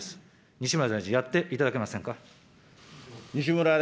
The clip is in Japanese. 西村大臣、やっていただけませんか。